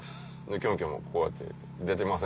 キョンキョンもこうやって「出てません」